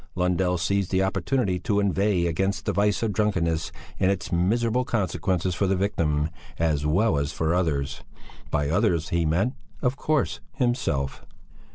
Lundell seized the opportunity to inveigh against the vice of drunkenness and its miserable consequences for the victim as well as for others; by others he meant, of course, himself.